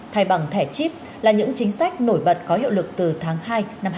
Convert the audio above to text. thay bằng thẻ chip là những chính sách nổi bật có hiệu lực từ tháng hai năm hai nghìn hai mươi